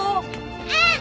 うん！